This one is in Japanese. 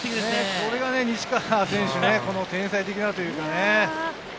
これが西川選手、天才的というかね。